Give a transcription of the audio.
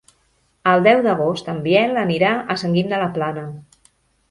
El deu d'agost en Biel anirà a Sant Guim de la Plana.